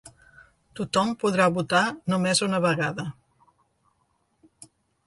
Tothom podrà votar només una vegada.